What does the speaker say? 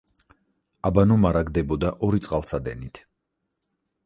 აბანო მარაგდებოდა ორი წყალსადენით.